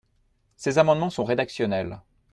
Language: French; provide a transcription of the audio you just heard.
Ces amendements sont rédactionnels.